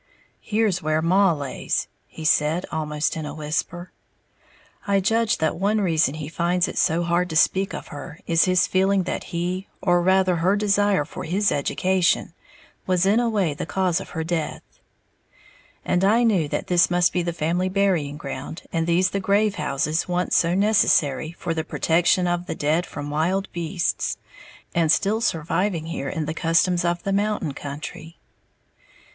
"Here's where Maw lays," he said, almost in a whisper (I judge that one reason he finds it so hard to speak of her is his feeling that he, or rather, her desire for his education, was in a way the cause of her death), and I knew that this must be the family burying ground, and these the grave houses once so necessary for the protection of the dead from wild beasts, and still surviving here in the customs of the mountain country.